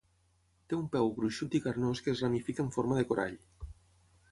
Té un peu gruixut i carnós que es ramifica en forma de corall.